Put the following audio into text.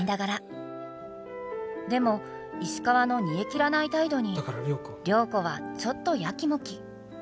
でも石川の煮えきらない態度に良子はちょっとヤキモキ。